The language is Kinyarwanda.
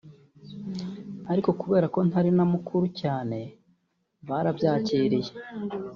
ariko kubera ko ntari na mukuru cyane barabyakiriye